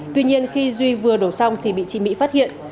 tuy nhiên khi duy vừa đổ xong thì bị chị mỹ phát hiện